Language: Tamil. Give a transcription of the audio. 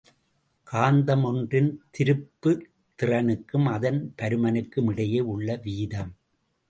காந்தம் ஒன்றின் திருப்புத்திறனுக்கும் அதன் பருமனுக்கும் இடையே உள்ள வீதம்.